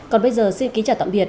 còn bây giờ xin kính chào tạm biệt